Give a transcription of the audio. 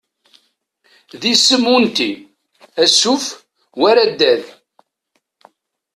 D isem unti, asuf, war addad.